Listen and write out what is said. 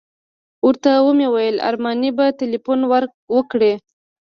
ورته ومې ویل ارماني به تیلفون وکړي.